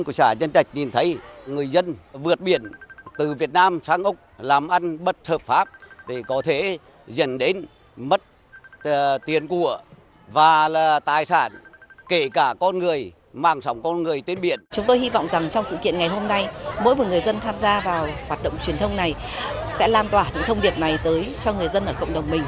mỗi một người dân tham gia vào hoạt động truyền thông này sẽ làm tỏa những thông điệp này tới cho người dân ở cộng đồng mình